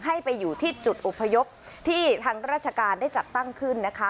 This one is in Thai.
ให้ไปอยู่ที่จุดอพยพที่ทางราชการได้จัดตั้งขึ้นนะคะ